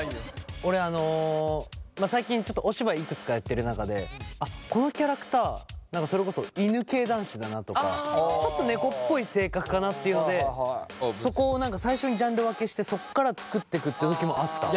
俺最近ちょっとお芝居いくつかやってる中でこのキャラクターそれこそ犬系男子だなとかちょっと猫っぽい性格かなっていうのでそこを最初にジャンル分けしてそっから作ってくって時もあった。